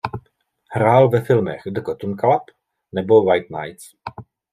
Hrál ve filmech "The Cotton Club" nebo "White Nights".